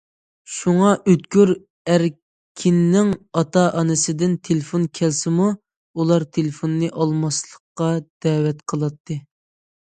شۇڭا، ئۆتكۈر ئەركىننىڭ ئاتا- ئانىسىدىن تېلېفون كەلسىمۇ، ئۇلار تېلېفوننى ئالماسلىققا دەۋەت قىلاتتى.